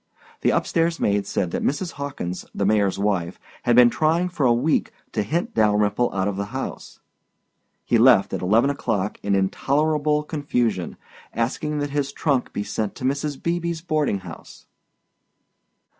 The up stairs maid said that Mrs. Hawkins, the mayor's wife, had been trying for a week to hint Dalyrimple out of the house. He left at eleven o'clock in intolerable confusion, asking that his trunk be sent to Mrs. Beebe's boarding house.